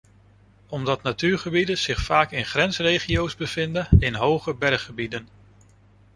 Omdat natuurgebieden zich vaak in grensregio’s bevinden, in hoge berggebieden.